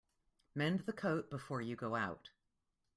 Mend the coat before you go out.